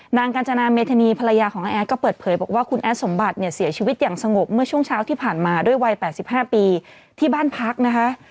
กัญจนาเมธานีภรรยาของน้าแอดก็เปิดเผยบอกว่าคุณแอดสมบัติเนี่ยเสียชีวิตอย่างสงบเมื่อช่วงเช้าที่ผ่านมาด้วยวัย๘๕ปีที่บ้านพักนะคะ